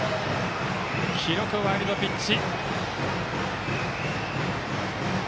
記録、ワイルドピッチ。